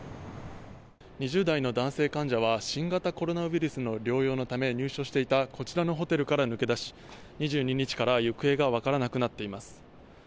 ２０代の男性患者は新型コロナウイルスの療養のため入所していたこちらのホテルから抜け出し２２日から行方が分からなくなっています。